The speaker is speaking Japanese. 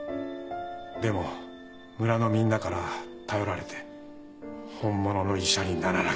でも村のみんなから頼られて本物の医者にならなければと。